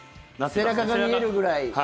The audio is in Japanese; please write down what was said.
背中が見えるぐらい。